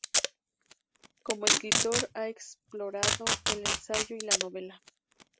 Como escritor ha explorado el ensayo y la novela.